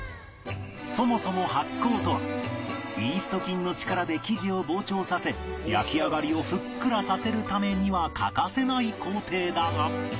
そもそも発酵とはイースト菌の力で生地を膨張させ焼き上がりをふっくらさせるためには欠かせない工程だが